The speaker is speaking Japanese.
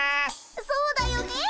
そうだよねえ。